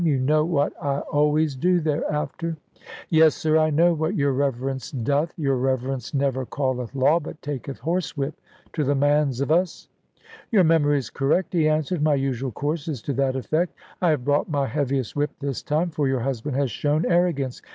You know what I always do thereafter." "Yes, sir, I know what your Reverence doth. Your Reverence never calleth law, but taketh horsewhip to the mans of us." "Your memory is correct," he answered; "my usual course is to that effect. I have brought my heaviest whip this time, for your husband has shown arrogance.